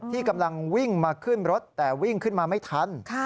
ที่กำลังวิ่งมาขึ้นรถแต่วิ่งขึ้นมาไม่ทัน